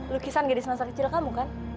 lukisan gadis masa kecil kamu kan